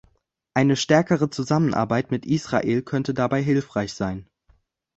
Eine stärkere Zusammenarbeit mit Israel könnte dabei hilfreich sein.